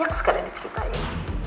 yang sekali diceritain